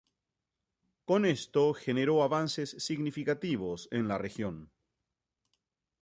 Con esto generó avances significativos en la región.